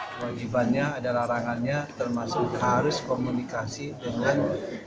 kewajibannya ada larangannya termasuk harus komunikasi dengan